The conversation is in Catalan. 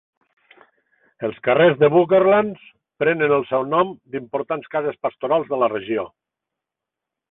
Els carrers de Bourkelands prenen el seu nom "d'importants cases pastorals de la regió".